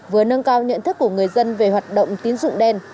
với nâng cao nhận thức của người dân về hoạt động tiến dụng đen